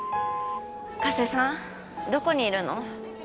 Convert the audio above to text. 加瀬さんどこにいるの？